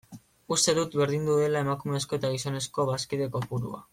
Uste dut berdindu dela emakumezko eta gizonezko bazkide kopurua.